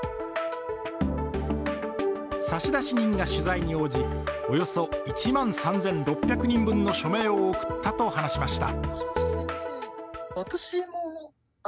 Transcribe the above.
差出人が取材に応じ、およそ１万３６００人分の署名を送ったと話しました。